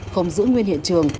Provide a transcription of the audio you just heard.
không giữ nguyên hiện tượng